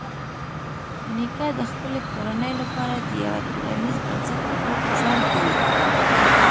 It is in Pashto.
نیکه د خپلې کورنۍ لپاره د یوه ټولنیز بنسټ په توګه ژوند کوي.